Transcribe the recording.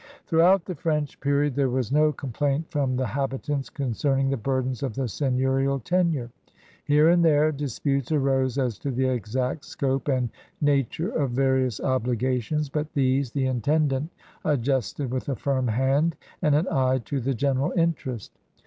Throughout the French period there was no complaint from the habitants concerning the burdens of the seigneurial tenure. Here and there disputes arose as to the exact scope and nature of various obligations, but these the intend ant adjusted with a firm hand and an eye to the general interest.